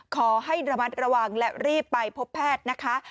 ขอให้ระมัดระวังและรีบไปพบแพทย์นะคะ